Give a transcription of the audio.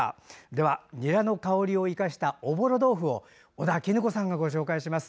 ではニラの香りを生かしたおぼろ豆腐を尾田衣子さんがご紹介します。